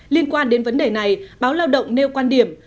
liên quan đến vấn đề này báo lao động nêu quan điểm